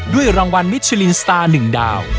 รางวัลมิชลินสตาร์๑ดาว